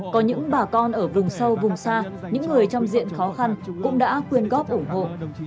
có những bà con ở vùng sâu vùng xa những người trong diện khó khăn cũng đã quyên góp ủng hộ